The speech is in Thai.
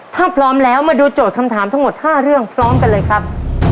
ถ้าพร้อมแล้วมาดูโจทย์คำถามทั้งหมด๕เรื่องพร้อมกันเลยครับ